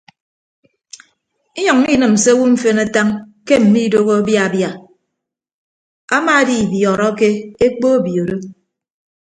Inyʌññọ inịm se owo mfen atañ ke mmiidoho abia abia amaadibiọọrọke ekpo obioro.